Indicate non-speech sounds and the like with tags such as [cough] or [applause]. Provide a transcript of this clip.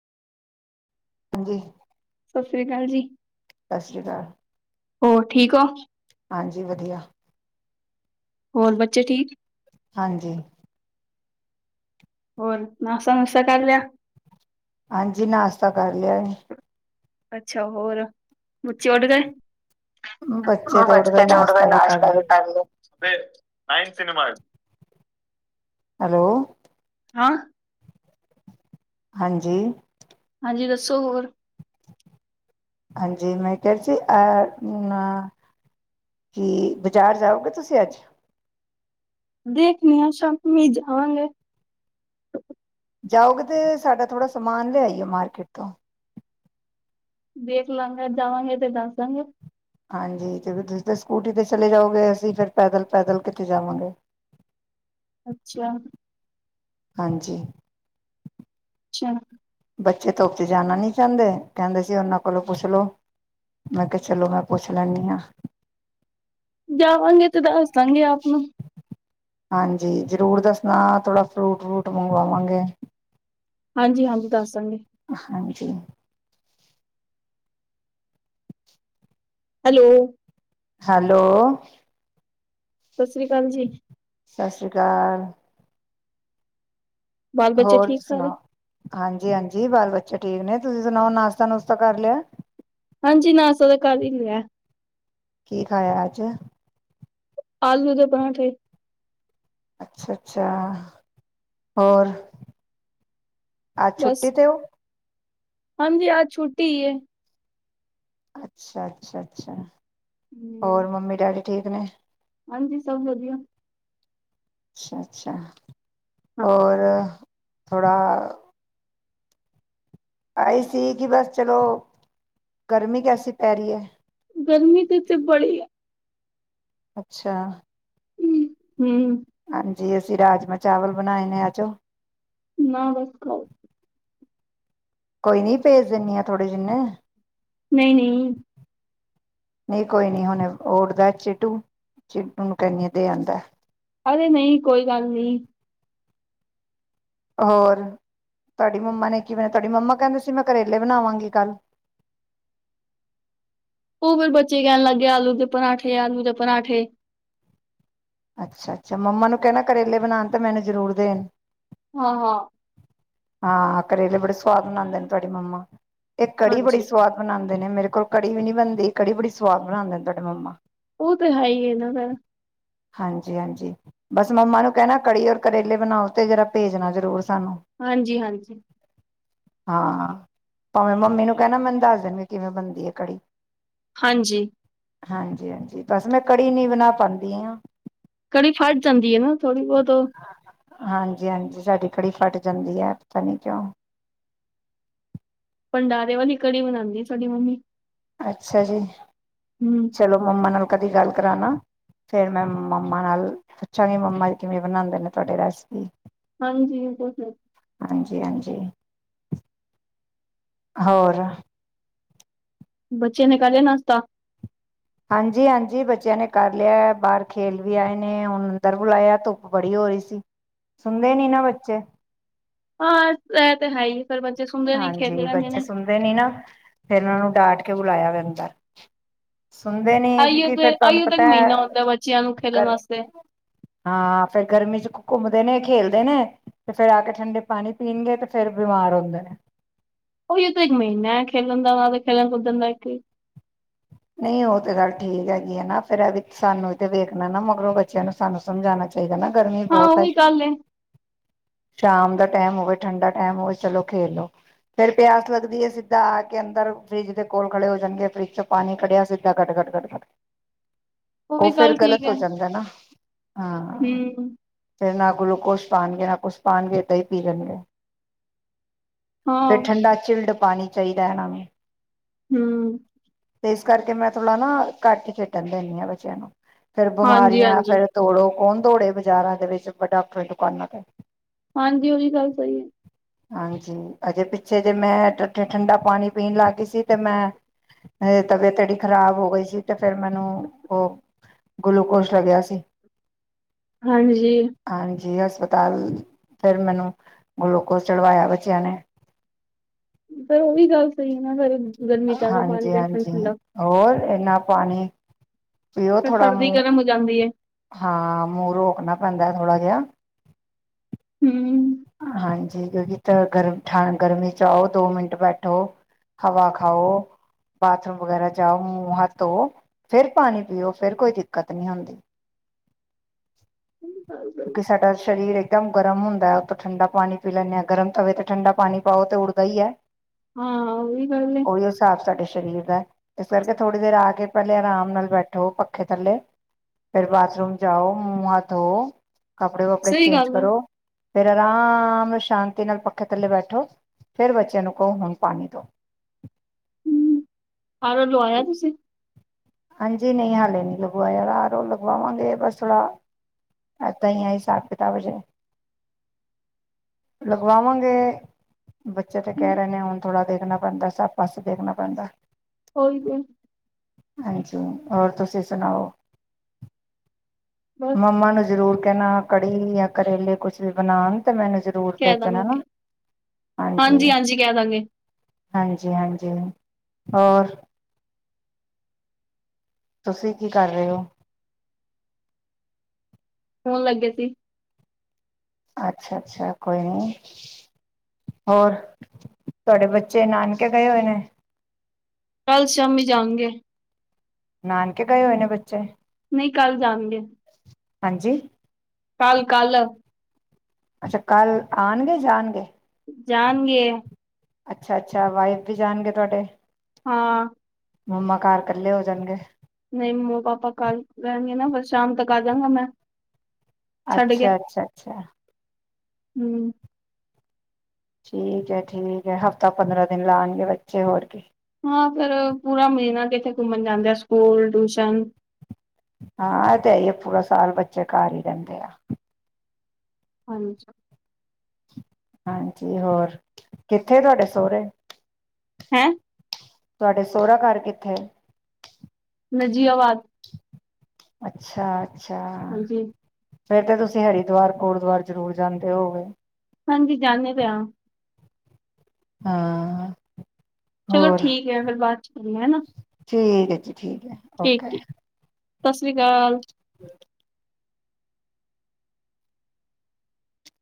ਸਸ ਰੀ ਕਾਲ ਜੀ। ਸਸ ਰੀ ਕਾਲ। ਹੋਰ ਠੀਕ ਔ ਹਾਂਜੀ ਵਧੀਆ। ਹੋਰ ਬੱਚੇ ਠੀਕ। ਹਾਂਜੀ, ਹੋਰ ਨਾਸ਼ਤਾ ਨੁਸਤਾ ਕਰ ਲਿਆ। ਹਾਂਜੀ ਨਾਸ਼ਤਾ ਕਰ ਲਿਆ ਐ। ਅੱਛਾ ਹੋਰ ਬੱਚੇ ਉੱਠ ਗਏ। ਬੱਚੇ ਤੇ ਉੱਠ [unintelligible] ਗਏ ਤੇੜ ਕੋਈ ਵੀ ਕਰ ਨਾਸ਼ਤਾ ਲਿਆ ਕੀਤਾ। [inaudible] ਹੈਲੋ, ਹੈਂ, ਹਾਂਜੀ, ਹਾਂਜੀ, ਦੱਸੋ ਹੋਰ ਹਾਂਜੀ ਮੈਂ ਕਿਹ ਰਹੀ ਸੀ, ਅ ਆ ਕਿ ਬਾਜ਼ਾਰ ਜਾਓਗੇ ਤੁਸੀਂ ਅੱਜ ਦੇਖਣੀ ਆ ਸ਼ਾਮੀ ਜਾਵਾਂਗੇ। ਜਾਓਗੇ ਤੇ ਸਾਡਾ ਥੋੜ੍ਹਾ ਸਮਾਨ ਲਿਆਈਓ ਮਾਰਕੀਟ ਤੋਂ [inaudible] ਹਾਂਜੀ ਤੇ ਫੇਰ ਤੁਸੀ ਤਾਂ ਸਕੂਟੀ ਤੇ ਚਲੇ ਜਾਓਗੇ, ਅਸੀਂ ਫਿਰ ਪੈਦਲ-ਪੈਦਲ ਕਿੱਥੇ ਜਾਵਾਂਗੇ। ਅੱਛਾ, ਹਾਂਜੀ, ਅੱਛਾ, ਬੱਚੇ ਧੁੱਪ ਜਾਣਾ ਨਹੀਂ ਚਾਂਦੇ ਕਹਿੰਦੇ ਸੀ ਉਹਨਾਂ ਕੋਲੋਂ ਪੁੱਛਲੋ। ਜਾਵਾਂਗੇ ਤੇ ਦੱਸਦਾਗੇ ਆਪ ਨੂੰ [unintelligible] ਹਾਂਜੀ-ਹਾਂਜੀ, ਦੱਸਦਾਂਗੇ। ਠੀ ਹੈਲੋ, ਹੈਲੋ, ਸਸ ਰੀ ਅਕਾਲ ਜੀ। ਸਸ ਰੀ ਕਾਲ। ਬਾਲ ਬੱਚੇ ਠੀਕ ਸਾਰੇ। ਹਾਂਜੀ-ਹਾਂਜੀ, ਬਾਲ ਬੱਚੇ ਠੀਕ ਨੇ ਤੁਸੀਂ ਸੁਣਾਓ ਨਾਸ਼ਤਾ ਨੁਸ਼ਤਾ ਕਰ ਲਿਆ। ਹਾਂਜੀ, ਨਾਸਤਾ ਤਾ ਕਰ ਹੀ ਲਿਆ। ਕੀ ਖਾਇਆ ਅੱਜ ਆਲੂ ਦੇ ਪਰਾਂਠੇ ਅੱਛਾ-ਅੱਛਾ, ਹੋਰ ਅੱਜ ਬਸ। ਛੁੱਟੀ ਤੇ ਔ ਹਾਂਜੀ ਅਜ ਛੁੱਟੀਏ ਅੱਛਾ, ਅੱਛਾ, ਅੱਛਾ। ਹੋਰ ਹੂੰ, ਮੰਮੀ ਡੈਡੀ ਠੀਕ ਨੇ ਹਾਂਜੀ ਸਭ ਵਧੀਆ ਅੱਛਾ, ਅੱਛਾ ਹਾਂ ਹੋਰ ਥੋੜ੍ਹਾ ਆਈ ਸੀ ਕਿ ਬਸ ਚਲੋ ਗਰਮੀ ਕੈਸੀ ਪੈ ਰਹੀ ਹੈ। ਗਰਮੀ ਤਾਂ ਇਥੇ ਬੜੀ ਆ ਅੱਛਾ। ਹੁੰ। ਜੀ ਅਸੀਂ ਰਾਜਮਾ ਚਾਵਲ ਬਣਾਏ ਨੇ ਆਜੋ ਨਾ ਬਸ ਖ ਕੋਈ ਨੀ ਭੇਜ ਦਿੰਨੀ ਆ ਥੋੜੇ ਜਿਨੇ ਨਹੀਂ, ਨਹੀਂ ਨਹੀਂ ਕੋਈ ਨਹੀਂ ਹੁਣ ਉੱਠਦਾ ਚਿੱਟੂ, ਚਿੱਟੂ ਨੂੰ ਕੈਨੀਆ ਦੇ ਆਉਂਦਾ। ਅਰੇ ਨਹੀਂ ਕੋਈ ਗੱਲ ਨਹੀ ਹੋਰ ਤੁਹਾਡੀ ਮੰਮਾ ਨੇ ਕੀ ਬਣਿਆ ਤੁਹਾਡੀ ਮੰਮਾ ਕਹਿੰਦੇ ਸੀ, ਮੈਂ ਕਰੇਲੇ ਬਣਾਵਾਂਗੀ ਕੱਲ ਉਹ ਫਿਰ ਬੱਚੇ ਕਹਿਣ ਲੱਗ ਗਏ ਆਲੂ ਦੇ ਪਰਾਂਠੇ ਆਲੂ ਦੇ ਪਰਾਂਠੇ ਅੱਛਾ, ਅੱਛਾ ਮੰਮਾ ਨੂੰ ਕਹਿਣਾ ਕਰੇਲੇ ਬਣਾਉਣ ਤਾਂ ਮੈਨੂੰ ਜ਼ਰੂਰ ਦੇਣ ਹਾਂ, ਹਾਂ ਹਾਂ ਕਰੇਲੇ ਬੜੇ ਸਵਾਦ ਬਣਾਉਂਦੇ ਨੇ ਤੁਹਾਡੀ ਮੰਮਾ ਇਹ ਕੜੀ ਬੜੀ ਹਾਂਜੀ ਸਵਾਦ ਬਣਾਉਂਦੀ। ਨੇ ਮੇਰੇ ਕੋਲ ਕੜੀ ਵੀ ਨੀ ਬਣਦੀ ਕੜੀ ਬੜੀ ਸਵਾਦ ਬਣਾਉਦੇ ਤੁਹਾਡੇ ਮੰਮਾ ਉਹ ਤੇ ਹੈ ਹੀ ਹੈਨਾਂ ਫੇਰ ਹਾਂਜੀ, ਹਾਂਜੀ ਬਸ ਮੰਮਾ ਨੂੰ ਕਹਿਣਾ ਕੜੀ ਔਰ ਕਰੇਲੇ ਬਣਾਓ ਤੇ ਜਰਾ ਭੇਜਣਾ ਜ਼ਰੂਰ ਸਾਨੂੰ ਹਾਂਜੀ, ਹਾਂਜੀ ਹਾਂ ਭਾਵੇਂ ਮੰਮੀ ਨੂੰ ਕਹਿਣਾ ਮੈਨੂੰ ਦੱਸ ਦੇਣਗੇ ਕਿਵੇਂ ਬਣਦੀ ਹੈ ਕੜੀ ਹਾਂਜੀ। ਹਾਂਜੀ, ਹਾਂਜੀ ਬਸ ਮੈਂ ਕੜੀ ਨੀ ਬਣਾ ਪਾਉਂਦੀ ਹਾਂ ਕੜੀ ਫਟ ਜਾਂਦੀ ਹੈ ਨਾ, ਥੋੜੀ ਬਹੁਤ ਉਹ ਹਾਂਜੀ, ਹਾਂਜੀ ਸਾਡੀ ਕੜੀ ਫਟ ਜਾਂਦੀ ਹੈ, ਪਤਾ ਨੀ ਕਿਉਂ ਦਾਰੇ ਵਾਲੀ ਕੜੀ ਬਣਾਉਂਦੀ ਸਾਡੀ ਮਮੀ ਅੱਛਾ ਜੀ ਚਲੋ ਮੰਮਾ ਨਾਲ ਕਦੀ ਗੱਲ ਕਰਾਣਾ ਫੇਰ ਮੈਂ ਮੰਮਾ ਨਾਲ ਪੁੱਛਾਂਗੀ ਮੰਮਾ ਜੀ ਕਿਵੇਂ ਬਣਾਉਂਦੇ ਨੇ ਤੁਹਾਡੀ ਰੈਸਪੀ ਹਾਂਜੀ ਬ ਹਾਂਜੀ, ਹਾਂਜੀ ਹੋਰ ਬੱਚੇ ਨੇ ਕਰ ਲਿਆ ਨਾਸ਼ਤਾ ਹਾਂਜੀ, ਹਾਂਜੀ ਬੱਚਿਆਂ ਨੇ ਕਰ ਲਿਆ ਬਾਹਰ ਖੇਲ ਵੀ ਆਏ ਨੇ, ਹੁਣ ਅੰਦਰ ਬੁਲਾਇਆ ਧੁੱਪ ਬੜੀ ਹੋ ਰਹੀ ਸੀ ਸੁਣਦੇ ਨੀ ਨਾ ਬੱਚੇ ਹਾਂ ਇਹ ਤੇ ਹੈ ਹੀ ਫਿਰ ਬੱਚੇ ਸੁਣਦੇ ਨੀ ਖੇਲਦੇ ਹਾਂਜੀ ਰਹਿੰਦੇ ਬੱਚੇ ਨੇ ਸੁਣਦੇ ਨੀ ਨਾ ਫੇਰ ਉਹ ਨੂੰ ਡਾਟ ਕਿਉ ਬੁਲਾਇਆ ਹੈਗਾ ਸੁਣਦੇ ਨੇ ਆਈਓ ਕਿਉਂਕਿ ਤੇ ਫਿਰ ਤੁਹਾਨੂੰ ਆਈਓ ਤਾਂ ਇੱਕ ਪਤਾ ਮਹੀਨਾ ਹੁੰਦਾ ਬੱਚਿਆਂ ਨੂੰ ਖੇਲਣ ਵਾਸਤੇ। ਹਾਂ ਫਿਰ ਗਰਮੀ ਚੋ ਘੁੰਮਦੇ ਨੇ ਖੇਡਦੇ ਨੇ, ਤੇ ਫੇਰ ਆ ਕੇ ਠੰਡੇ ਪਾਣੀ ਪੀਣਗੇ ਤੇ ਫੇਰ ਬਿਮਾਰ ਹੁੰਦੇ ਨੇ। ਉਹੀਉ ਤਾਂ, ਇੱਕ ਮਹੀਨਾ ਖੇਡਣ ਦਾ ਨਾਲੇ ਖੇਡਣ ਕੁੱਦਣ ਦਾ ਇੱਕ ਹੀ। ਨਹੀਂ ਉਹ ਤੇ ਗੱਲ ਠੀਕ ਹੈਗੀ ਆ ਨਾ, ਫੇਰ ਇਹ ਵੇ ਸਾਨੂੰ ਤੇ ਵੇਖਣਾ ਨਾ, ਮਗਰੋਂ ਬੱਚਿਆਂ ਨੂੰ ਸਾਨੂੰ ਸਮਝਾਉਣਾ ਚਾਹੀਦਾ ਨਾ। ਗਰਮੀ ਹਾਂ ਬਹੁਤ ਉਹ ਹੈ। ਵੀ ਗੱਲ ਏ। ਸ਼ਾਮ ਦਾ ਟਾਈਮ ਹੋਵੇ, ਠੰਡਾ ਟਾਈਮ ਹੋਵੇ ਚਲੋ ਖੇਲੋ, ਫੇਰ ਪਿਆਸ ਲੱਗਦੀ ਹੈ, ਸਿੱਧਾ ਆ ਕੇ ਅੰਦਰ ਫਰਿੱਜ ਦੇ ਕੋਲ ਖੜੇ ਹੋ ਜਾਣਗੇ ਫਰਿੱਜ ਚ- ਪਾਣੀ ਕੱਢਿਆ ਸਿੱਧਾ ਘੱਟ- ਘੱਟ, ਘੱਟ- ਘਟ। ਉਹ ਵੀ ਫਿਰ ਗੱਲ ਠੀਕ ਗ਼ਲਤ ਹੋ ਹੈ ਜਾਂਦਾ ਨਾ। ਹਾਂ। ਹੂੰ ਫਿਰ ਨਾ ਗਲੂਕੋਸ ਪਾਉਣਗੇ, ਨਾ ਕੁਛ ਪਾਉਣਗੇ ਇਦਾ ਹੀ ਪੀ ਲੈਣਗੇ। ਫੇਰ ਹਾਂ ਠੰਡਾ ਚਿਲਡ, ਪਾਣੀ ਚਾਹੀਦਾ ਇਹਨਾ ਨੂੰ। ਹੂੰ। ਤੇ, ਇਸ ਕਰਕੇ ਮੈਂ ਥੋੜਾ ਨਾ ਘੱਟ ਹੀ ਖੇਡਣ ਦਿੰਦੀ ਹਾਂ ਬੱਚਿਆਂ ਨੂੰ। ਫੇਰ ਬਿਮਾਰੀਆਂ ਹਾਂਜੀ-ਹਾਂਜੀ। ਫੇਰ [unintelligible] ਦੋੜਾ ਕੌਣ ਦੌੜੇ ਬਾਜ਼ਾਰਾਂ ਦੇ ਵਿੱਚ ਫਟਾਫਟ ਦੁਕਾਨਾਂ ਤੇ। ਹਾਂਜੀ, ਉਹੀ ਗੱਲ ਸਹੀ ਹੈ। ਹਾਂਜੀ, ਅਜੇ ਪਿੱਛੇ ਜੇ ਮੈਂ, [unintelligible] ਠੰਡਾ ਪਾਣੀ ਪੀਣ ਲੱਗ ਗਈ ਸੀ ਤੇ ਮੈਂ- ਮੇਰੀ ਤਬੀਅਤ ਐਡੀ ਖ਼ਰਾਬ ਹੋ ਗਈ ਸੀ, ਤੇ ਫੇਰ ਮੈਨੂੰ ਉਹ ਗਲੂਕੋਸ ਲੱਗਿਆ ਸੀ। ਹਾਂਜੀ। ਜੀ ਹਸਪਤਾਲ ਫੇਰ ਮੈਨੂੰ, ਗਲੂਕੋਸ ਚੜਵਾਇਆ ਬੱਚਿਆਂ ਨੇ। ਪਰ ਉਹੀ ਗੱਲ ਸਹੀ ਹੈ, ਨਾ ਕਰਨ। ਹਾਂਜੀ- ਹਾਂਜੀ, ਹੋਰ? ਇਨਾ ਪਾਣੀ। ਪਿਓ ਫਿਰ ਥੋੜਾ ਸਰਦੀ ਮੂੰਹ। ਗਰਮ ਹੋ ਜਾਂਦੀ ਹੈ ਮੂੰਹ ਰੋਕਣਾ ਪੈਂਦਾ ਹੈ ਥੋੜਾ ਜਿਹਾ। ਹੂੰ। ਹਾਂਜੀ, ਕਿਉਂਕਿ [unintelligible] ਗਰਮੀ ਚ ਆਓ ਦੋ ਮਿੰਟ ਬੈਠੋ, ਹਵਾ ਖਾਓ, ਬਾਥਰੂਮ ਵਗੈਰਾ ਜਾਓ, ਮੂੰਹ ਹੱਥ ਧੋਉ ਫੇਰ ਪਾਣੀ ਪੀਓ ਫੇਰ ਕੋਈ ਦਿੱਕਤ ਨੀ ਹੁੰਦੀ। ਕਿਉਂਕਿ ਸਾਡਾ ਵੀ, ਸਰੀਰ ਇੱਕਦਮ ਗਰਮ ਹੁੰਦਾ ਹੈ। ਉਤੋਂ ਠੰਡਾ ਪਾਣੀ ਪੀ ਲੈਂਦੇ ਹਾਂ, ਗਰਮ ਤਵੇ ਤੇ ਠੰਡਾ ਪਾਣੀ ਪਾਓ ਤੇ ਉੱਲਦਾ ਹੀ ਹੈ। ਹਾਂ ਉਹੀ ਗੱਲ ਏ ਉਹੀ ਹਿਸਾਬ ਸਾਡੇ ਸਰੀਰ, ਇਸ ਕਰਕੇ ਥੋੜੀ ਦੇਰ ਆ ਕੇ, ਪਹਿਲੇ ਆਰਾਮ ਨਾਲ ਬੈਠੋ ਪੱਖੇ ਥੱਲੇ, ਫੇਰ ਬਾਥਰੂਮ ਜਾ ਆਓ ਮੂੰਹ ਹੱਥ ਧੋਓ। ਕੱਪੜੇ- ਵਪੜੇ ਸਹੀ ਚੇਂਜ ਗੱਲ ਏ ਕਰੋ। ਫਿਰ ਆਰਾਮ ਸ਼ਾਂਤੀ ਨਾਲ ਪੱਖੇ ਥੱਲੇ ਬੈਠੋ, ਫੇਰ ਬੱਚਿਆਂ ਨੂੰ ਕਹੋ, ਹੁਣ ਪਾਣੀ ਦਿਓ। ਹੂੰ-ਹੂੰ, ਆਰੋ, ਲੋਆਇਆ ਹੈ ਤੁਸੀਂ? ਹਾਂਜੀ ਨਹੀਂ, ਹਾਲੇ ਨੀ ਲਗਵਾਇਆ, ਆਰੋ ਲਗਵਾਵਾਂਗੇ ਬਸ ਥੋੜਾ ਏਦਾਂ ਹੀ ਹੈ ਹਿਸਾਬ - ਕਿਤਾਬ ਅਜੇ ਲਗਵਾਵਾਂਗੇ, ਬੱਚੇ ਤੇ ਕਹਿ ਰਹੇ ਨੇ ਹੁਣ ਥੋੜਾ ਦੇਖਣਾ! ਪੈਂਦਾ ਸਭ ਪਾਸੇ ਦੇਖਣਾ ਪੈਂਦਾ ਹੈ। ਉਹੀ ਤੇ। ਹਾਂਜੀ, ਹੋਰ ਤੁਸੀਂ ਸੁਣਾਓ? ਬਸ ਮੰਮਾ ਨੂੰ ਜ਼ਰੂਰ। ਕਹਿਣਾ ਕੜੀ ਜਾਂ ਕਰੇਲੇ ਕੁਛ ਵੀ ਬਣਾਉਣ ਤੇ ਮੈਨੂੰ। ਜ਼ਰੂਰ ਕਹਿ ਭੇਜਣਾ ਨਾ ਦੇਗਾ ਹਾਂਜੀ ਹਾਂਜੀ ਕਹਿ ਦਾਂਗੇ। ਹਾਂਜੀ ਹਾਂਜੀ ਹੋਰ। ਤੁਸੀਂ ਕੀ ਕਰ ਰਹੇ ਹੋ? ਸੌਣ ਲੱਗੇ ਸੀ। ਅੱਛਾ ਅੱਛਾ ਕੋਈ ਨੀ ਹੋਰ ਤੁਹਾਡੇ ਬੱਚੇ ਨਾਨਕੇ ਗਏ ਹੋਏ ਨੇ। ਕੱਲ ਸ਼ਾਮੀ ਜਾਣਗੇ ਨਾਨਕੇ ਗਏ ਹੋਏ ਨੇ ਬੱਚੇ? ਨਹੀਂ ਕੱਲ ਜਾਣਗੇ। ਹਾਂਜੀ। ਕੱਲ ਕੱਲ। ਅੱਛਾ ਕੱਲ ਆਉਣਗੇ ਜਾਣਗੇ। ਜਾਣਗੇ। ਅੱਛਾ ਅੱਛਾ ਵਾਈਫ ਵੀ ਜਾਣਗੇ ਤੁਹਾਡੇ? ਹਾਂ। ਮੰਮਾ ਘਰ ਇਕੱਲੇ ਹੋ ਜਾਣਗੇ? ਨਹੀਂ ਮੰਮੋ ਪਾਪਾ ਕੱਲ ਰਹਿਣਗੇ ਨਾ ਫਿਰ ਸ਼ਾਮ ਤੱਕ ਆ ਜਾਗਾ ਮੈਂ। ਅੱਛਾ ਅੱਛਾ ਅੱਛਾ। ਹੂੰ। ਠੀਕ ਹੈ ਠੀਕ ਹੈ ਹਫ਼ਤਾ ਪੰਦਰਾਂ ਦਿਨ ਲਾਉਣਗੇ ਬੱਚੇ ਹੋਰ ਕੀ। ਹਾਂ ਫਿਰ ਪੂਰਾ ਮਹੀਨਾ ਕਿੱਥੇ ਘੁੰਮਣ ਜਾਂਦੇ ਆ ਸਕੂਲ ਟਿਊਸ਼ਨ। ਹਾਂ ਇਸੇ [unintelligible] ਤੇ ਹੈ ਪੂਰਾ ਸਾਲ ਬੱਚੇ ਘਰ ਹੀ ਰਹਿੰਦੇ ਆ। ਹਾਂਜੀ। ਹਾਂਜੀ ਹੋਰ ਕਿੱਥੇ ਤੁਹਾਡੇ ਸਹੁਰੇ? ਹੈਂ। ਤੁਹਾਡੇ ਸੋਹਰਾ ਘਰ ਕਿੱਥੇ ਹੈ? ਨਜ਼ੀਆਬਾਦ। ਅੱਛਾ। ਅੱਛਾ। ਹਾਂਜੀ ਫੇਰ ਤੇ ਤੁਸੀਂ ਹਰਿਦੁਆਰ ਗੁਰਦੁਆਰੇ ਜਰੂਰ ਜਾਂਦੇ ਹੋਗੇ। ਹਾਂਜੀ ਜਾਣੇ ਤੇ ਹੈ। ਹਾਂ। ਚਲੋ ਹੋਰ ਠੀਕ ਹੈ ਫਿਰ ਬਾਅਦ ਕਰਨਾ ਹਨਾ। ਠੀਕ ਹੈ ਜੀ। ਠੀਕ ਹੈ ਓਕੇ। ਸਤਿ ਸ਼੍ਰੀ ਅਕਾਲ। [inaudible]